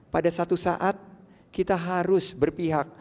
pada satu saat kita harus berpihak